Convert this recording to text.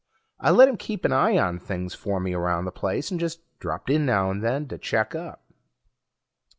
I let him keep an eye on things for me around the place, and just dropped in now and then to check up.